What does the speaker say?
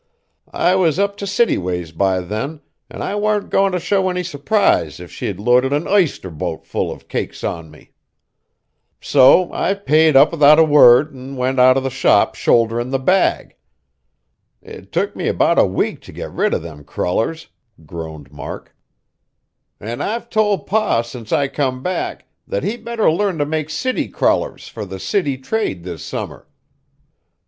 I was up t' city ways by then, an' I warn't goin' t' show any surprise if she'd loaded an ister boat full of cakes on me. So I paid up 'thout a word an' went out of the shop shoulderin' the bag. It took me 'bout a week t' get rid of them crullers," groaned Mark; "an' I've told Pa since I come back, that he better learn to make city crullers fur the city trade this summer.